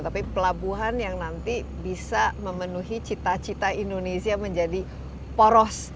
tapi pelabuhan yang nanti bisa memenuhi cita cita indonesia menjadi poros